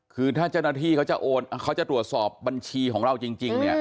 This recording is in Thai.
คือถ้าเจ้าหน้าที่เขาจะโอนเขาจะตรวจสอบบัญชีของเราจริงเนี่ย